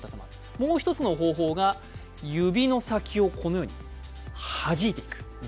もう一つの方法が指の先をこのようにはじいていく。